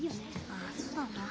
あそうだな。